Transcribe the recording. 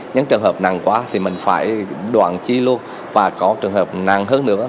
những trường hợp nặng quá thì mình phải đoạn chi luôn và có trường hợp nặng hơn nữa